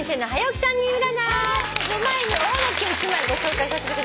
の前におはがきを１枚ご紹介させてください。